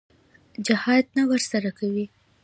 جهاد نه ورسره کوي.